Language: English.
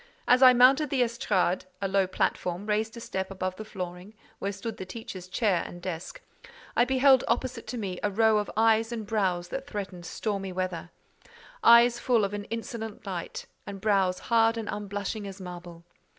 As I mounted the estràde (a low platform, raised a step above the flooring), where stood the teacher's chair and desk, I beheld opposite to me a row of eyes and brows that threatened stormy weather—eyes full of an insolent light, and brows hard and unblushing as marble.